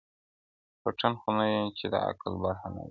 پتڼ خو نه یم چي د عقل برخه نه لرمه-